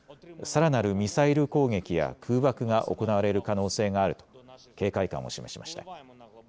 さらなるミサイル攻撃や空爆が行われる可能性があると警戒感を示しました。